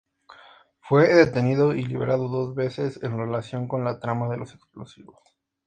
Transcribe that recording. Fue detenido y liberado dos veces en relación con la trama de los explosivos.